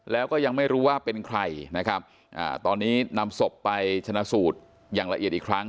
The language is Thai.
แล้วก็ยังไม่รู้ว่าเป็นใครนะครับตอนนี้นำศพไปชนะสูตรอย่างละเอียดอีกครั้ง